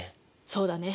そうだね。